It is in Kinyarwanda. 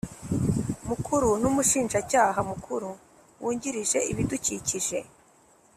Mukuru n umushinjacyaha mukuru wungirije ibidukikije